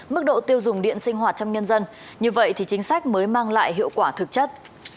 mức độ tiêu dùng điện sinh hoạt trong nhân dân như vậy thì chính sách mới mang lại hiệu quả thực chất